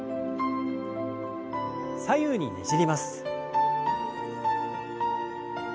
左右にねじります。